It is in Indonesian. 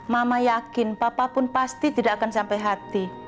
mama yakin papa pun pasti tidak akan sampai hati